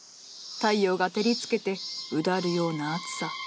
太陽が照りつけてうだるような暑さ。